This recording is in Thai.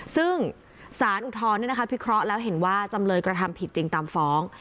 ซึ่งสารอุทธรณ์พิเคราะห์แล้วเห็นว่าจำเลยกระทำผิดจริงตามฟ้อง